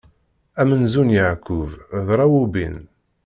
Amenzu n Yeɛqub, d Rawubin.